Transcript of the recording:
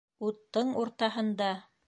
Уттың уртаһында.